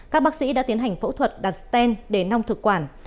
các bác sĩ đã tiến hành phẫu thuật đặt sten để nong thực quản